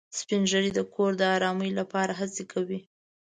سپین ږیری د کور د ارامۍ لپاره هڅې کوي